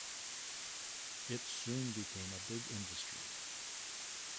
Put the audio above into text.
It soon became a big industry.